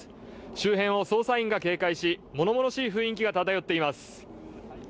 周辺を捜査員が警戒し、ものものしい雰囲気が漂っています。